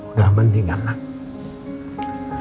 udah mendingan lah